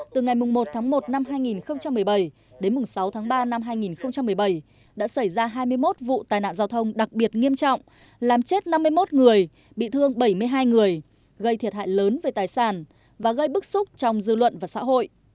từ ngày một tháng một năm hai nghìn một mươi bảy đến sáu tháng ba năm hai nghìn một mươi bảy đã xảy ra hai mươi một vụ tai nạn giao thông đặc biệt nghiêm trọng làm chết năm mươi một người bị thương bảy mươi hai người gây thiệt hại lớn về tài sản và gây bức xúc trong dư luận và xã hội